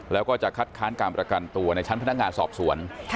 แล้วก็จะคัดค้านการประกันตัวในชั้นพนักงานสอบสวน